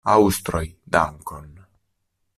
Aŭstroj, dankon!